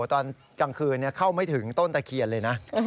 ตอนกลางคืนเข้าไม่ถึงต้นตะเคียนเลยนะ